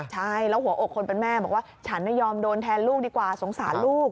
ใช่แล้วหัวอกคนเป็นแม่บอกว่าฉันยอมโดนแทนลูกดีกว่าสงสารลูก